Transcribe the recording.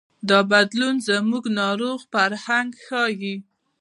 دا بدلون زموږ ناروغ فرهنګ ښيي.